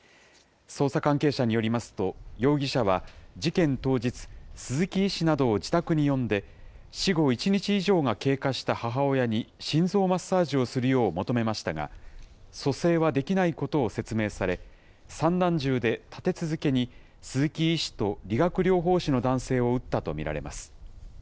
捜査関係者によりますと、容疑者は事件当日、鈴木医師などを自宅に呼んで、死後１日以上が経過した母親に心臓マッサージをするよう求めましたが、蘇生はできないことを説明され、散弾銃で立て続けに鈴木医師と理学療法士の男性を撃ったと見られます。